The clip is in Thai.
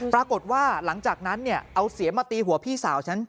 ปรากฏว่าหลังจากนั้นเนี่ยเอาเสียมาตีหัวพี่สาวฉัน